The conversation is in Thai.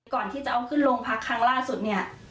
ก่อนที่จะเอาขึ้นโรงพักครั้งล่าสุดเนี่ย